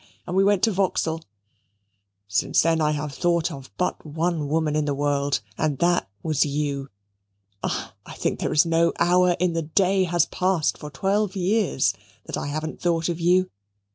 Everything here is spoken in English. and we went to Vauxhall. Since then I have thought of but one woman in the world, and that was you. I think there is no hour in the day has passed for twelve years that I haven't thought of you.